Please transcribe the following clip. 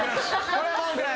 これは文句なし。